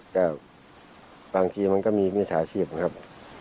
ก็บางทีมันก็มีมิถาชีพครับ